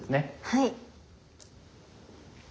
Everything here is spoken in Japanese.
はい。